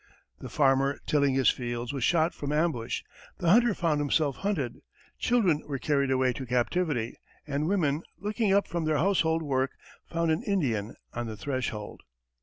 The farmer tilling his fields was shot from ambush; the hunter found himself hunted; children were carried away to captivity, and women, looking up from their household work, found an Indian on the threshold.